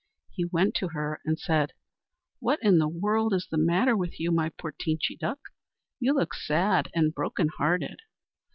He went to her and said: "What in the world is the matter with you, my poor Teenchy Duck? You look sad and broken hearted."